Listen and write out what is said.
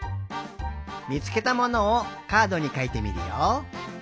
みつけたものをカードにかいてみるよ。